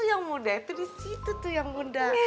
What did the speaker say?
yang muda itu disitu tuh yang muda